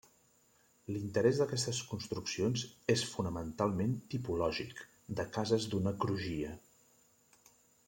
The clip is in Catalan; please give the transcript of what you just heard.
L'interès d'aquestes construccions és fonamentalment tipològic, de cases d'una crugia.